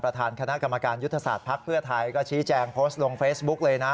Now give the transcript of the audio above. ประธานคณะกรรมการยุทธศาสตร์ภักดิ์เพื่อไทยก็ชี้แจงโพสต์ลงเฟซบุ๊กเลยนะ